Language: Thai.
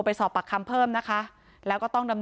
ไปโบกรถจักรยานยนต์ของชาวอายุขวบกว่าเองนะคะ